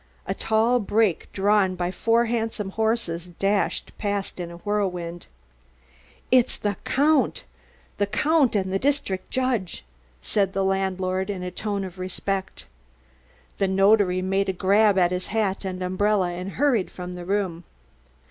A tall brake drawn by four handsome horses dashed past in a whirlwind. "It's the Count the Count and the district judge," said the landlord in a tone of respect. The notary made a grab at his hat and umbrella and hurried from the room.